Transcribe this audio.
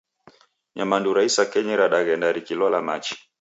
Nyamandu ra isakenyi radaghenda rikilola machi